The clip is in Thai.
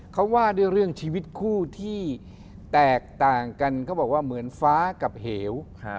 เขาว่าด้วยเรื่องชีวิตคู่ที่แตกต่างกันเขาบอกว่าเหมือนฟ้ากับเหว